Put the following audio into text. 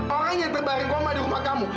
orang yang terbareng koma di rumah kamu